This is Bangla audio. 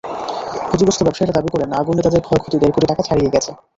ক্ষতিগ্রস্ত ব্যবসায়ীরা দাবি করেন, আগুনে তাঁদের ক্ষয়ক্ষতি দেড় কোটি টাকা ছাড়িয়ে গেছে।